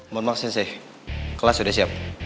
mohon maaf sensei kelas udah siap